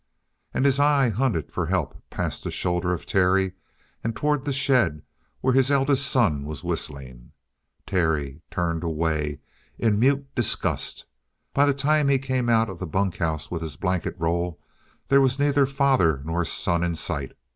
And his eye hunted for help past the shoulder of Terry and toward the shed, where his eldest son was whistling. Terry turned away in mute disgust. By the time he came out of the bunkhouse with his blanket roll, there was neither father nor son in sight.